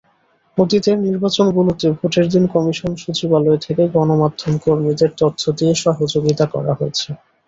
অতীতের নির্বাচনগুলোতে ভোটের দিন কমিশন সচিবালয় থেকে গণমাধ্যমকর্মীদের তথ্য দিয়ে সহযোগিতা করা হয়েছে।